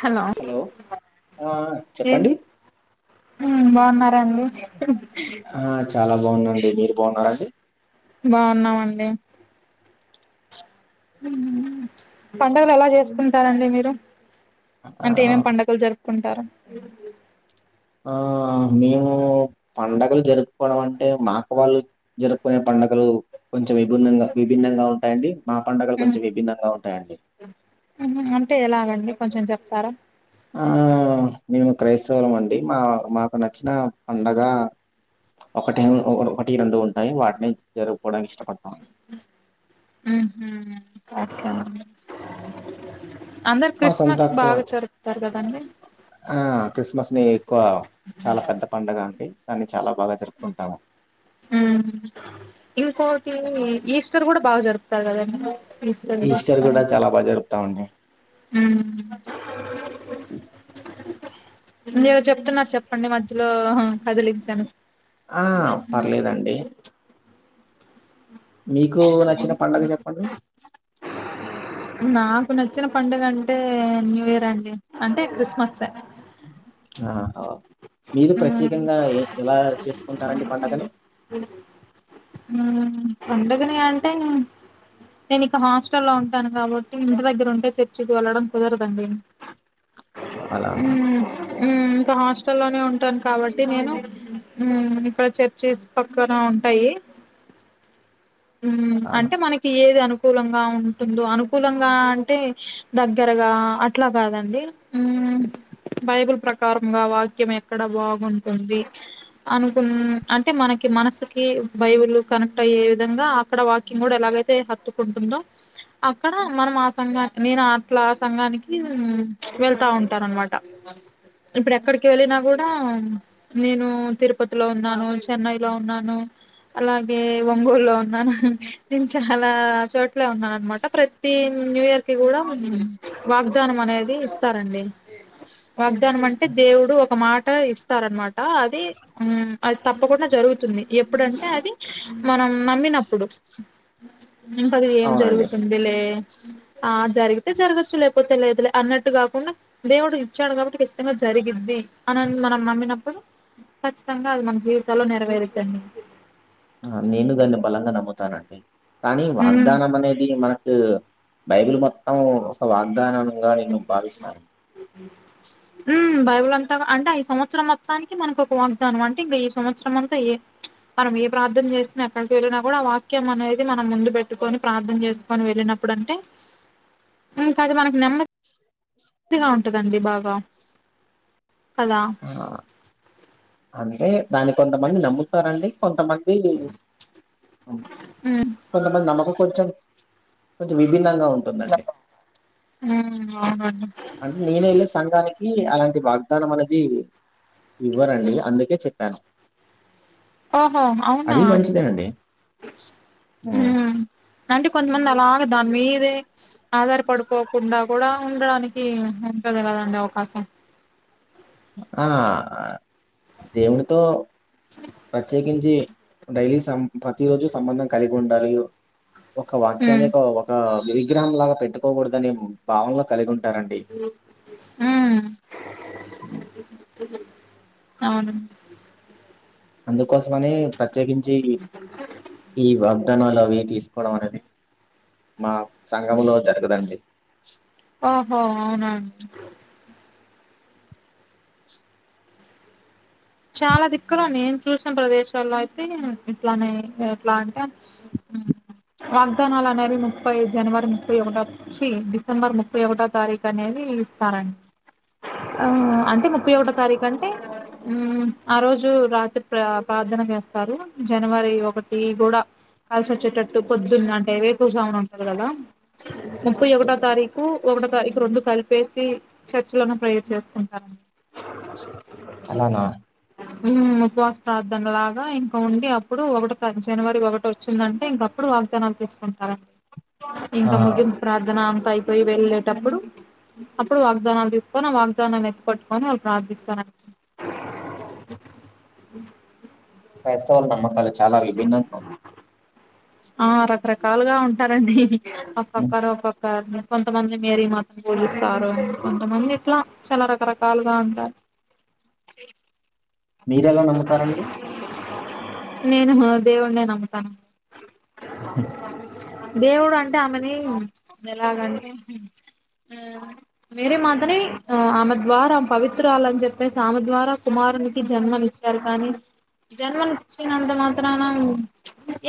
Hello ఆ ఏం చెప్పండి బాగున్నారా వాటిని అండి ఆ చాలా బాగున్న అండి మీరు బాగున్నారండి బాగున్నామండి పండుగలు ఎలా చేసుకుంటారండి మీరు ఆ అంటే ఏమేం పండుగలు జరుపు కుంటారు ఆ మేము పండుగలు జరుపుకోవడం అంటే మాకు వాళ్ళు జరుపుకునే పండగలు కొంచెం విభిన్నంగా విభిన్నంగా ఉంటాయండి మా పండుగలు కొంచెం విభిన్నంగా ఉంటాయండి అంటే ఎలాగండి కొంచెం చెప్తారా ఆ మేము క్రైస్తవులం అండి మా మాకు నచ్చిన పండగ ఒకటి ఒకటి రెండు ఉంటాయి వాటిని జరుపుకోవడానికి ఇష్టపడతామం ఉహు ఒకే అండి అందరు మా సొంత క్రిస్మస్ బాగా జరుపుతారు కదండి ఆ క్రిస్మస్ ని ఎక్కువ చాలా పెద్ద పండుగ అండి దాన్ని చాలా బాగా జరుపుకుంటాము హ ఇంకోటి ఈస్టర్ కూడా బాగా జరుపుతారు కదండి ఈస్టర్ కూడా చాలా బాగా జరుపుతామండి అ మీరు చెప్తున్నారు చెప్పండి మధ్యలో కదిలించాను ఆ పర్లేదండి. మీకు నచ్చిన పండగ చెప్పండి నాకు నచ్చిన పండుగ అంటే న్యూ ఇయర్ అండి అంటే క్రిస్మసే ఆ మీరు మ్మ్ ప్రత్యేకంగా ఎలా చేసుకుంటారండి పడుగని పండగని అంటే నేను ఇక హాస్టల్ లో ఉంటాను కాబట్టి ఇంటి దగ్గర ఉంటే చర్చకి వెళ్లడం కుదరదండి అలానా? ఉమ్ ఇంకా హాస్టల్ లోనే ఉంట ఉంటాను కాబట్టి నేను ఇక్కడ చర్చెస్ పక్కన ఉంటాయి ఉ అవునా? అంటే మనకి ఏది అనుకూలంగా ఉంటుందో అనుకూలంగా అంటే దగ్గరగా అట్లా కాదండి ఉ బైబిల్ ప్రకారంగా వాక్యం ఎక్కడ బాగుంటుంది అనుకు అంటే మనకి మనసుకి బైవులు కనెక్ట్ అయ్యే విధంగా అక్కడ వాక్యం కూడా ఎలాగైతే ఎక్కడైతే హత్తుకుంటుందొ అక్కడ మనం ఆ సంఘాన్ని నేను అట్లా ఆ సంఘానికి వెళ్తా ఉంటాను అనమాట ఇప్పుడు ఎక్కడికి వెళ్ళినా కూడా నేను తిరుపతిలో ఉన్నాను చెన్నై లో ఉన్నాను అలాగే ఒంగోలు ఉన్నాను నేను చాలా చోట్లే ఉన్నాను అనమాట ప్రతి న్యూ ఇయర్ కి కూడా వాగ్దానం అనేది ఇస్తారండి వాగ్దానం అంటే దేవుడు ఒక మాట ఇస్తారనమాట అది అది తప్పకుండా జరుగుతుంది ఎప్పుడంటే అది మనం నమ్మినప్పుడు ఇంక ఆది ఏం అవునండి. జరుగుతుంది లే ఆ జరిగితే జరగచ్చు లేకపోతే లేదులే అన్నట్టు కాకుండా దేవుడు ఇచ్చాడు కాబట్టి కచ్చితంగా జరిగిద్ది అనీ మనం నమ్మినప్పుడు ఖచ్చితంగా అది మన జీవితాల్లో నెరవేరుతుంది అండీ నేను దాన్ని బలంగా నమ్ముతానండి కానీ ఉమ్ వాగ్దానం అనేది మనకు బైబుల్ మొత్తం ఒక వాగ్దానంగా నేను భావిస్తాను బైబుల్ అంతా అంటే అ సంవత్సరం మొత్తానికి మనకు ఒక వాగ్దానం అంటే ఇంకా ఈ సంవత్సరం అంతా మనం ఏ ప్రార్థన చేసినా ఎక్కడికి వెళ్ళినా కూడా ఆ వాక్యం అనేది మనం ముందు పెట్టుకని ప్రార్థన చేసుకొని వెళ్ళినప్పుడు అంటే ఇంకా అది మనకు నెమ్మ దిగా ఉంటుందండి బాగా కదా అంటే దాన్ని కొంతమంది నమ్ముతారండి కొంతమంది ఉ కొంతమంది నమ్మకం కొంచెం కొంచెం విభిన్నంగా ఉంది ఉమ్ అవునండి అంటే నేనే వెళ్ళ సంఘానికి అలాంటి వాగ్దానం అనే అది ఇవ్వరండి అందుకే చెప్పాను ఓహో అవునా అది మంచిదేనండి. హ్మ్. ఉమ్ అంటే కొంతమంది అలాగ దాని మీదే ఆధార్ పడిపోకుండా కూడా ఉండడానికి ఉంటది కదండి అవకాశం ఆ దవుడుతో ప్రత్యేకించి డైలీ సం ప్రతిరోజు సంబంధం కలిగి ఉండాలి ఒక హ్మ్ వాక్యాన్ని ఒక ఒక విగ్రహం లాగా పెట్టుకోకూడదని భావం లో కలిగి ఉంటారండి ఉమ్ అవును అందుకోసమని ప్రత్యేకించి ఈ వాగ్దానాలు అవి తీసుకోవడం అనేది మా సంఘం లో జరగదండి ఓహో అవునాను చాల దిక్కులో నేను చూసిన ప్రదేశాల్లో అయితే ఇట్లనే ఎట్ల అంటె వాగ్దానాలు అనేవి ముప్పై జనవరి ముప్పై ఒకటో చ్చి డిసెంబర్ ముప్పై ఒకటో తారీక్ అనేది ఇస్తారండి ఆ అంటె ముప్పై ఒకటో తారీఖు అంటె ఉమ్ ఆ రోజు రాత్రి ప్ర పార్థన చేస్తారు జనవరి ఒకటి గూడ కలిసి వచ్చేటట్టు పొద్దున్న అంటె వేకువ జామున ఉంటది కద ముప్పై ఒకటో తారీకు ఒకటో తారీఖు రెండు కలిపేసి చర్చిలోన ప్రేయర్ చేస్తుంటారండి అలాన ఉమ్ ఉపవాస ప్రార్ధనలాగ ఇంక ఉండి అప్పుడు ఒకటి జనవరి ఒకటి వచ్ వచ్చిందంటే ఇంక అప్పుడు వాగ్దానాలు తీసుకుంటారండి ఇంక ఆ! ముగింపు ప్రార్థన అంత అయిపోయి వెళ్ళేటప్పుడు అప్పుడు వాగ్దానాలు తీసుకొని ఆ వాగ్దానాన్ని ఎత్తు పట్టుకొని వాళ్ళు ప్రార్థిస్తారన్న అట్ సైడ్ నమ్మకాలు చాల విభిన్నంగ ఉంటాయి ఆ రకరకాలుగ ఉంటారండి ఒక్కొక్కరు ఒక్కొక్ కొంతమంది మేరీ మాతను పూజిస్తారు అని కొంతమంది ఇట్ల చాల రకరకాలుగ ఉంటారు మీరెల నమ్ముతారండి నేను నా దేవుడినే నమ్ముతాను ఉహు దేవుడు అంటె ఆమెని ఎలాగంటె ఉమ్ మేరీ మాతని ఆ ఆమె ద్వార పవిత్రాలని చెప్పేసి ఆమె ద్వార కుమారుని జన్మ నిచ్చారు కాని జన్మని ఇచ్చినంత మాత్రాన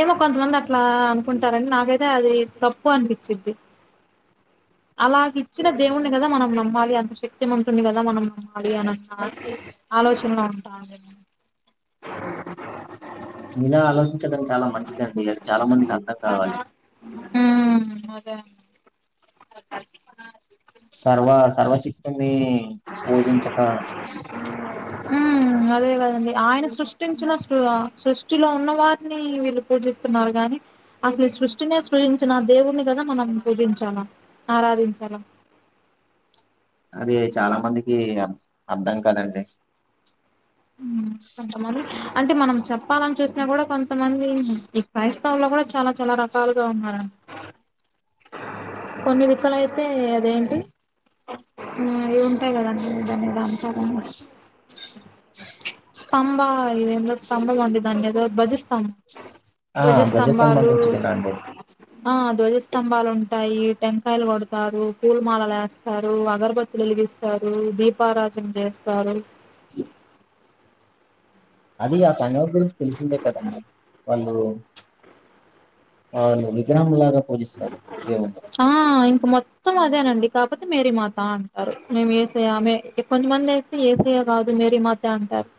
ఏమో కొంతమంది అట్లా అనుకుంటారని నాకైతే అది తప్పు అనిపిచ్చిది అ అలాగ ఇచ్చిన దేవుణ్ణి కదా మనం నమ్మాలి అంత శక్తి మంతుణ్ణి కద మనం నమ్మాలి అని అన్నారు ఆలోచనలో ఉంటా మీలా ఆలోచించడం చాల మంచిదండి చాల మందికి అర్థం కావాలె ఊమ్ అదే అండి సర్వా సర్వ శక్తుని పూజించక ఉ ఊమ్ అదే కదండి ఆయన సృష్టించిన సృ సృష్టిలో ఉన్న వారిని వీళ్ళు పూజిస్తున్నారు గాని అసలు ఈ సృష్టినేే సృజించిన దేవుణ్ణి కద మనం పూజించాల ఆరాధించాల అది చాల మందికి అత్ అర్ధం కాదండి ఉమ్ కొంతమంది అంటె మనం చెప్ పపాలను చూసిన కూడ కొంతమంది ఈ క్రైస్తవ లో కూడ చాల చాల రకాలుగ ఉన్నారండి కొన్ని దిక్కల అయితే అదేంటి ఊమ్ అంతే కదా అని నిజమే అంతా కాని స్తంభ ఇదేందో స్తంభ ఉండిద్ది అండి ధ్వజస్తంభం ఆ ధ్వజస్తంభం ధ్వజస్తంభాలు గురించి వినండి ఆ ధ్వజస్తంభాలు ఉంట రాయి టెంకాయలు కొడతారు పూల మాలలు ఏస్తారు అగరబత్తులు వెలిగిస్తారు దీప్ దీపారాధన చేస్తారు అది ఆ సంఘం గురించి తెలిసిందే కదండి వాళ్ళు అవును విగ్రహంలాగా పూజిస్తాను దేవున్నీ ఆ ఇంక మొత్తం అదేనండి కాకపోతే మేరీ మాత అంటారు మేము యేసయ్య మే కొంతమంది అయి తే యేసయ్య కాదు మేరీ మాతా అంటారు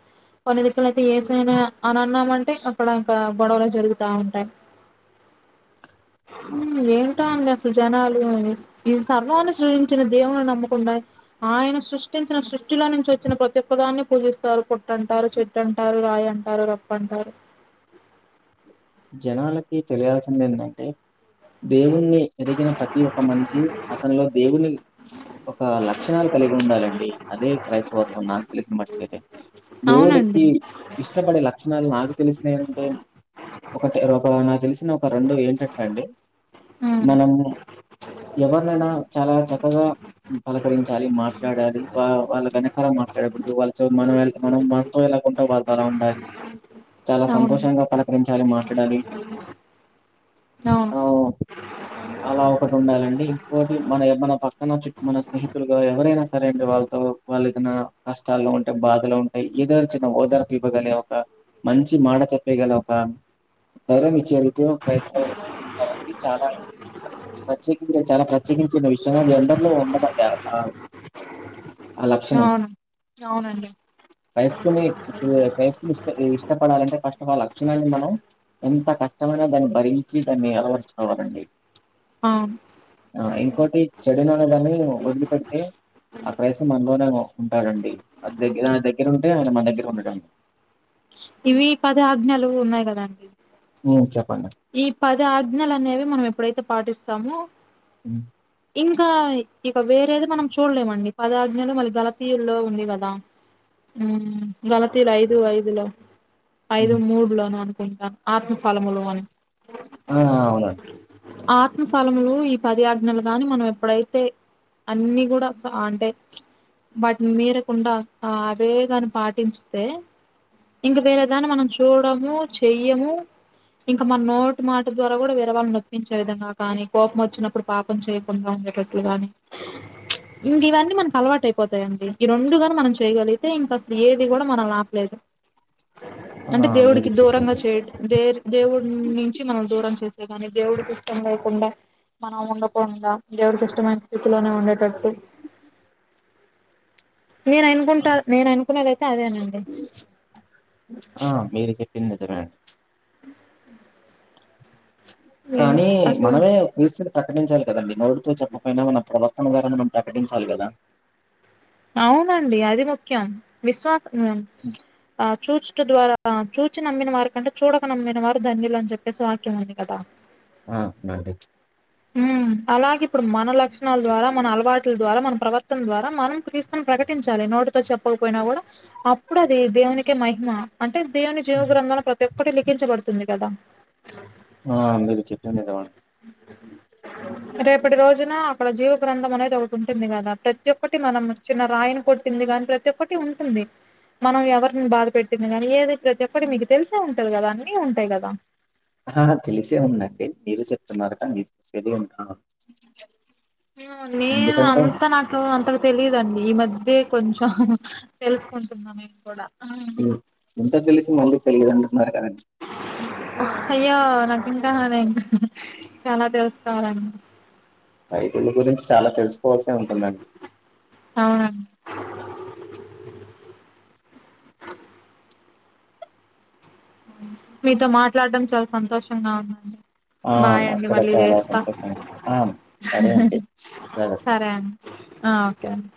కొన్ని దికులు అయితే ఏసైనా అని అన్నామంటే అక్కడ ఇంకా గొడవలు జరుగుతా ఉంటాయి ఆ, ఉ ఏంటో అండి అసలు జనాలు ఈ సర్వాన్ని సృయించిన దేవున్ని నమ్మకుండా ఆయన సృష్టించిన సృష్టిలో నుంచి వచ్చిన ప్రతి ఒక్కదాన్ని పూజిస్తారు పుట్ట అంటారు చెట్ అంటారు రాయ్ అంటారు రప్ప అంటారు జనాలకి తెలియాల్సింది ఏంటంటే దేవుణ్ణి ఎదిగిన ప్రతి ఒక్క మనిషి అతనిలో దేవుని ఒక లక్షణాలు కలిగి ఉండాలండి అదే క్రైస్తవత్వం నాకు తెలిసిన మట్టుకైతే అవునండి దేవుడికి ఇష్టపడే లక్షణాలు నాకు తెలిసినయి అంటే ఒకటి ఒక నాకు తెలిసిన ఒక రెండు ఏంటంటే అండి హ్మ్. మనము ఎవరినైనా చాలా చక్కగా పలకరించాలి మాట్లాడాలి వా వాళ్ళ వెనకాల మాట్లాడకూడదు వాళ్ళ చే మనం వాళ్ళ మనం ఎలాకుంట వాళ్ళతో అలా ఉండాలి చాలా అవునండి. సంతోషంగా పలకరించాలి చాల మాట్లాడాలి అవును ఆహ్, అలా ఒకటి ఉండాలండి ఇంకోటి మన మన పక్కనచ్చి మన స్నేహితులుగా ఎవరైనా సరేండి వాళ్ళతో వాళ్ళు ఏదైనా కష్టాల ఉం టే బాధలో ఉంటాయి ఏదైనా చిన్న ఓదార్పు ఇవ్వగలి ఒక మంచి మాట చెప్పేయగలి ఒక గౌరవం ఇచ్చే [unintelligible] ఇది చాలా ప్రత్యేకించి చాలా ప్రత్యేకించిన విషయం అది అందరిలో ఉండదండి ఆ ఆ లక్షణం అవును. అవునండి. ఫయస్సుని ఫస్ని ఇష్ట ఇష్టపడాలంటే ఫస్ట్ ఆఫ్ ఆ లక్షణాన్ని మనం ఎంత కష్టమైన దాన్ని భరించి దాన్ని అలవరుచుకోవాలండి ఆ ఆ ఇంకోటి చెడు నన్న దాన్ని వదిలిపెడితే ఆ క్రైసు మనలోనే ఉంటాడండి అది దగ్గరా దగ్గర ఉంటే ఆయన మన దగ్గర ఉంటడండి ఇవి పది ఆజ్ఞలు ఉన్నాయి కదండి ఉ చెప్పండి ఈ పది ఆజ్ఞలు అనేవి మనం ఎప్పుడైతే పాటిస్తామో ఉ ఇంకా ఇక వేరేది మనం చూడలేమండి పది ఆజ్ఞలు మళ దళతీయుల్లో ఉంది కదా ఉ గలథీరు ఐదు ఐదులో ఐదు హ్మ్. మూడులోను అనుకుంటాను ఆత్మఫలములు అని ఆ అవును ఆత్మఫలములు ఈ పది ఆజ్ఞలు గాని మనం ఎప్పుడైతే అన్ని కూడా సా అంటే వాటిని మీరకుండా అవేగాని పాటిస్తే ఇంక వేరేదాన్ని మనం చూడము చెయ్యము ఇంకా మన నోటు మాట ద్వారా కూడా వేరే వాళ్ళు నొప్పించే విధంగా కానీ కోపం వచ్చినప్పుడు పాపం చేయకుండా ఉండేటట్లు గాని ఇంక ఇవన్నీ మనకి అలవాటు అయిపోతాయండి ఈ రెండుగాని మనం చేయగలిగితే ఇంక అసలు ఏది కూడా మనం ఆపలేదు ఆ! అంటే మీరు దేవుడికి దూరంగా చెప్పిందండి. చేయడం దే దేవుడి నుంచి మనం దూరం చేస్త మన దేవుడు కి ఇష్టం లేకుండా మనం ఉండకుండా దేవుడికి ఇష్టమైన స్థితిలోనే ఉండేటట్టు నేను అనుకుంటా నేను అనుకునేదయితే అదేనండి ఆ మీరు చెప్పింది నిజమేండి కానీ అసలు మనమే పస్లు ప్రకటించాలి కదండి నోడుతో చెప్పపోయినా మన ప్రవర్తన ద్వారా మనం ప్రకటించాలి కదా అవునండి అది ముఖ్యం విశ్వాస ఉ ఉమ్. ఆ చూచుట ద్వారా చూచి నమ్మిన వారి కంటే చూడక నమ్మిన వారు ధన్యులు అని చెప్పేసి వాక్యం ఉంది కదా ఆ అండి ఉ అలాగే ఇప్పుడు మన లక్షణాల ద్వారా మన అలవాట్ల ద్వారా మనం ప్రవర్తన ద్వారా మనం క్రీస్తును ప్రకటించాలి నోటి చెప్పకపోయినా కూడా అప్పుడు అది దేవునికి మహిమ అంటే దేవుని జీవగ్రంథంలో ప్రత్యే ఒక్కటి లిఖించబడుతుంది కదా ఆ మీరు చెప్పింది నిజమండీ రేపటి రోజున అక్కడ జీవగ్రంథం అనేది ఒకటి ఉంటుంది కదా ప్రతి ఒక్కటి మనం చిన్న రాయిని కొట్టింది గాని ప్రతి ఒక్కటి ఉంటుంది మనం ఎవరిని బాధ పెట్టింది గాని ఏదైతే చెప్పండి మీకు తెలిసే ఉంటుంది కదా అన్నీ ఉంటాయి కదా ఆహా తెలిసే ఉందండి మీరు చెప్తున్నారు కదా మీకు తెలియదా నేను ఎందుకంటే అంతనా అంతకు తెలియదండి ఈ మధ్యే కొంచెం తెలుసుకుంటున్నా మేము కూడా హ్మ్. ఇంత తెలిసి మళ్ళీ తెలియదుంటున్నారు కదండి అయ్యే నాకు ఇంకా నే చాలా తెలుసుకోవాలండి బైబిలు గురించి చాలా తెలుసుకోవాల్సి ఉంటుందండి అవునండి మీతో మాట్లాడటం చాలా సంతోషంగా ఉందండి ఆ! నాకు బాయండి కూడా మళ్ళీ చాలా చేస్తా సంతోషంగా ఆ! సరే అండి. జాగ్రత్త. సరేండి ఆ ఓకే అండి